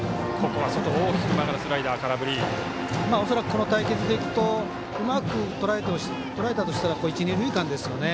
この対決でいくとうまくとらえたとしたら一、二塁間ですよね。